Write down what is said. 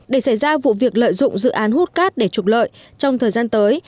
để xảy ra vụ việc lợi dụng dự án hút cát để trục lợi trong thời gian tới